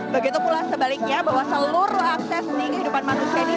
begitu pula sebaliknya bahwa seluruh akses di kehidupan manusia ini